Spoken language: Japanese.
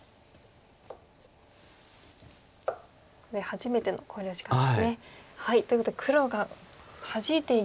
ここで初めての考慮時間ですね。ということで黒がハジいていきましたが。